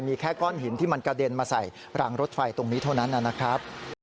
มีแค่ก้อนหินที่มันกระเด็นมาใส่รางรถไฟตรงนี้เท่านั้นนะครับ